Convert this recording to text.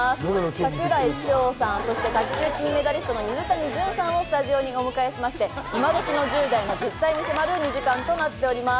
櫻井翔さん、卓球金メダリストの水谷隼さんをスタジオにお迎えしまして、今どきの１０代の実態に迫る２時間となっております。